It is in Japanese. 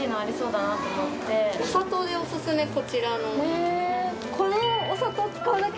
お砂糖でお薦めこちら。